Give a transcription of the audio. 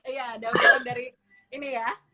iya daur ulang dari ini ya